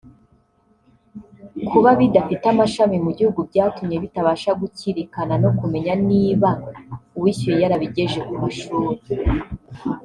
Kuba bidafite amashami mu gihugu byatumye bitabasha gukirikana no kumenya niba uwishyuye yarabigeje ku mashuri